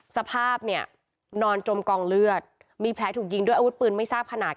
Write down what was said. สภาพเนี่ยนอนจมกองเลือดมีแผลถูกยิงด้วยอาวุธปืนไม่ทราบขนาด